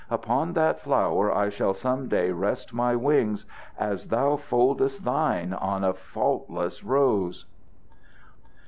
Upon that flower I shall some day rest my wings as thou foldest thine on a faultless rose."